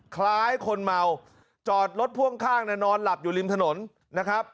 คล้ายคนเมาจอดรถพ่วงข้างนอนหลับอยู่ริมถนนนะครับ